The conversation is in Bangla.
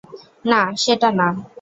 না, সেটা না।